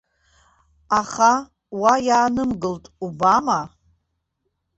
Аха уа иаанымгылт, убама!